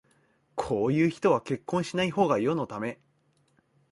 こういう人は結婚しないほうが世のため